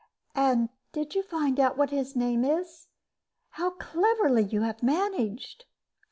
"And did you find out what his name is? How cleverly you have managed!"